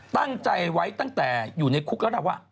ตั้งใจไว้ตั้งแต่อยู่ในคุกแล้วล่ะว่า